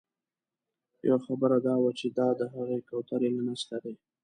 یوه خبره دا وه چې دا د هغه کوترې له نسله دي.